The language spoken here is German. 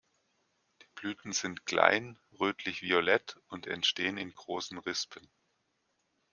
Die Blüten sind klein, rötlich-violett und entstehen in großen Rispen.